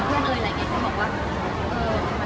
เดี๋ยวพาสแกโว้ม